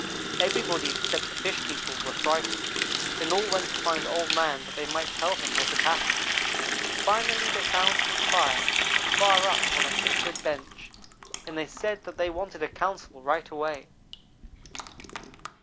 Everybody except the fish people were frightened and all went to find Old man that they might tell him what had happened. Finally they found his fire, far up on a timbered bench, and they said that they wanted a council right away.